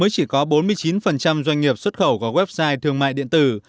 bốn mươi chín doanh nghiệp xuất khẩu qua website thương mại điện tử